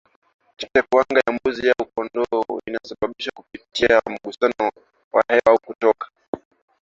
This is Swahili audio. tetekuwanga ya kondoo na mbuzi inavyosambaa kupitia migusano au hewa kutoka